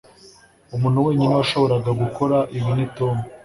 umuntu wenyine washoboraga gukora ibi ni tom